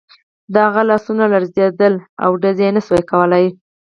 د هغه لاسونه لړزېدل او ډز یې نه شو کولای